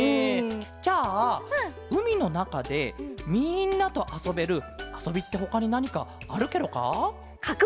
じゃあうみのなかでみんなとあそべるあそびってほかになにかあるケロか？